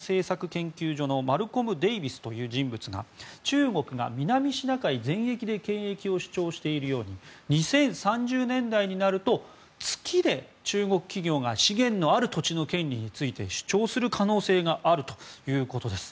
ブルームバーグを見ますとオーストラリアの戦略政策研究所のマルコム・デイビスという人物が中国が南シナ海全域で権益を主張しているように２０３０年代になると月で中国企業が資源のある土地の権利について主張する可能性があるということです。